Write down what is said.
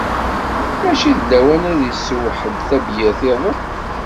Mačči d lawan ad isew ḥedd tabyirt-iḍen?